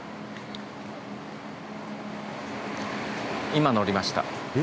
今乗りました。